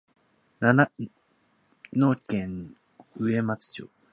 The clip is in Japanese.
長野県上松町